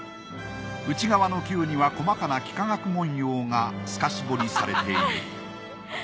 内側の球には細かな幾何学文様が透かし彫りされている。